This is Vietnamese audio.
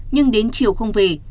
nhưng đến chiều không về